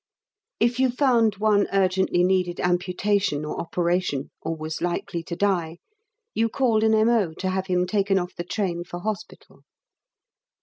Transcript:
If you found one urgently needed amputation or operation, or was likely to die, you called an M.O. to have him taken off the train for Hospital.